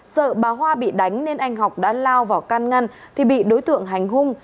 sợ ba hoa bị đánh nên anh học đã lao vào căn ngăn thì bị đối tượng hành hung